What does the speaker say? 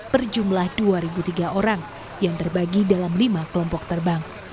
berjumlah dua tiga orang yang terbagi dalam lima kelompok terbang